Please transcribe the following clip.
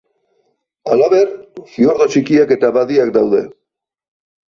Halaber fiordo txikiak eta badiak daude.